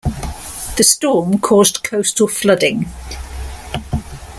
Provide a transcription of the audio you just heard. The storm caused coastal flooding.